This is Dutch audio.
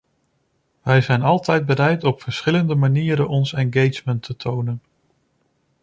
Wij zijn altijd bereid op verschillende manieren ons engagement te tonen.